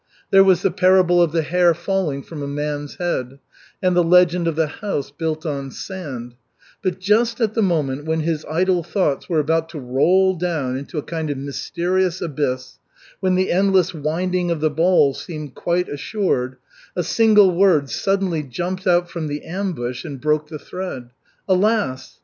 There was the parable of the hair falling from a man's head, and the legend of the house built on sand; but just at the moment when his idle thoughts were about to roll down into a kind of mysterious abyss, when the endless winding of the ball seemed quite assured, a single word suddenly jumped out from the ambush and broke the thread. Alas!